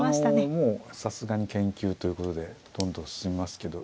もうさすがに研究ということでどんどん進みますけど。